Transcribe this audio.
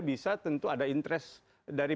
bisa tentu ada interest dari